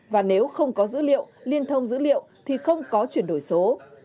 và nếu không có dữ liệu liên thông dữ liệu thì không có chuyển đổi số